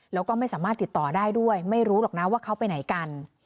แล้วก็ไม่สามารถติดต่อได้ด้วยไม่รู้หรอกนะว่าเขาไปไหนกัน